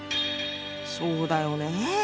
そうだよねぇ。